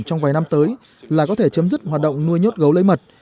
trong vài năm tới là có thể chấm dứt hoạt động nuôi nhốt gấu lấy mật